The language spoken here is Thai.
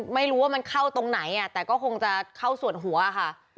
ไม่รู้ว่ามันเข้าตรงไหนแต่ก็คงจะเข้าส่วนหัวค่ะ